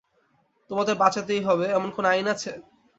তোমাদের বাঁচাতেই হবে, এমন কোন আইন আছে?